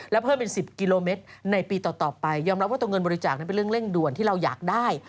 และเพิ่มเป็น๑๐กิโลเมตรในปีต่อไปยอมรับว่าตัวเงินบริจาคนั้นเป็นเรื่องเร่งด่วนที่เราอยากได้